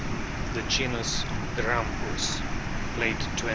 The genus GRAMPUS* (Plate XX.)